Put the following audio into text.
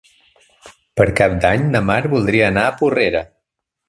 Per Cap d'Any na Mar voldria anar a Porrera.